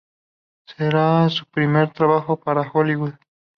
Será su primer trabajo para Hollywood.